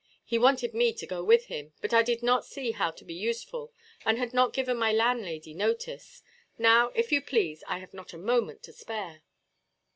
He wanted me to go with him; but I did not see how to be useful, and had not given my landlady notice. Now, if you please, I have not a moment to spare."